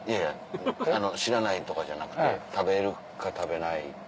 知らないとかじゃなくて食べるか食べないか。